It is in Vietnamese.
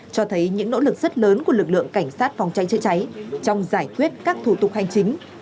cho thấy những nỗ lực rất lớn của lực lượng cảnh sát phòng cháy chữa cháy trong giải quyết các thủ tục hành chính